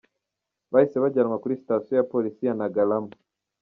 Bahise bajyanwa kuri station ya polisi ya Naggalama.